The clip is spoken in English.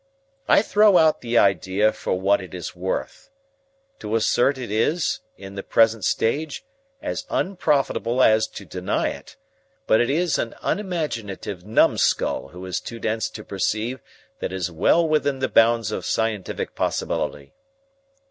I throw out the idea for what it is worth. To assert it is, in the present stage, as unprofitable as to deny it, but it is an unimaginative numskull who is too dense to perceive that it is well within the bounds of scientific possibility.